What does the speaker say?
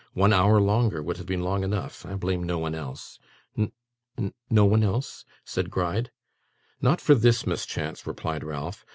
One hour longer would have been long enough. I blame no one else.' 'N n no one else?' said Gride. 'Not for this mischance,' replied Ralph.